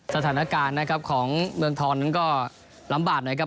สถานการณ์นะครับของเมืองทองนั้นก็ลำบากหน่อยครับ